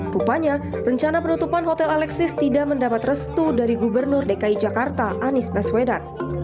rupanya rencana penutupan hotel alexis tidak mendapat restu dari gubernur dki jakarta anies baswedan